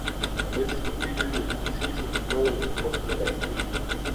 A veces compiten entre sí, sobre todo en el deporte de la esgrima.